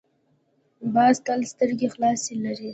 باز تل سترګې خلاصې لري